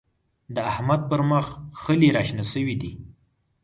د احمد پر مخ خلي راشنه شوي دی.